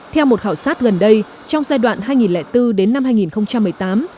theo một khảo sát gần đây trong giai đoạn hai nghìn bốn đến năm hai nghìn một mươi tám